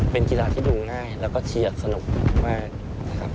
เป็นกีฬาที่ดูง่ายแล้วก็เชียร์สนุกมากนะครับ